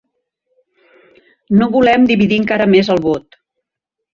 No volem dividir encara més el vot.